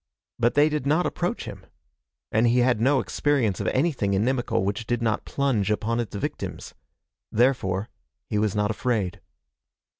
But they did not approach him. And he had no experience of anything inimical which did not plunge upon its victims. Therefore he was not afraid.